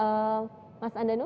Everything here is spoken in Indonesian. boleh dijawab mas andanu